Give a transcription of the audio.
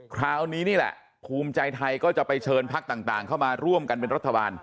คราวนี้นี่แหละภูมิใจไทยก็จะไปเชิญพักต่างเข้ามาร่วมกันเป็นรัฐบาล